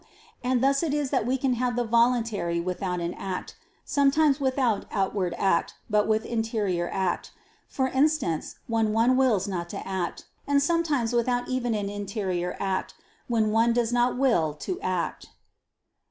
And thus it is that we can have the voluntary without an act; sometimes without outward act, but with an interior act; for instance, when one wills not to act; and sometimes without even an interior act, as when one does not will to act.